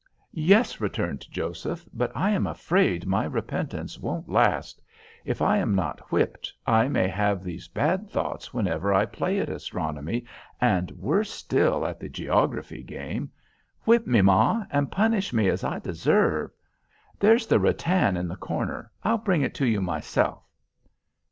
"Yes," returned Joseph, "but I am afraid my repentance won't last. If I am not whipped, I may have these bad thoughts whenever I play at astronomy, and worse still at the geography game. Whip me, ma, and punish me as I deserve. There's the rattan in the corner: I'll bring it to you myself."